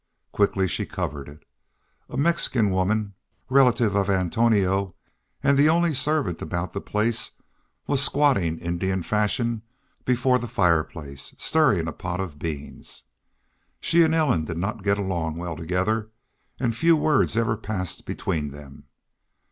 Quickly she covered it. A Mexican woman, relative of Antonio, and the only servant about the place, was squatting Indian fashion before the fireplace, stirring a pot of beans. She and Ellen did not get along well together, and few words ever passed between them.